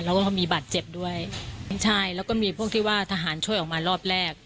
แล้วก็มีบาดเจ็บด้วยไม่ใช่แล้วก็มีพวกที่ว่าทหารช่วยออกมารอบแรก